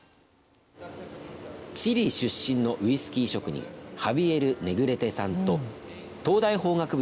チリ出身のウイスキー職人ハビエル・ネグレテさんと東大法学部